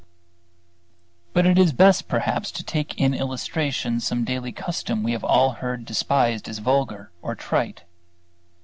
But it is best perhaps to take in illustration some daily custom we have all heard despised as vulgar or trite.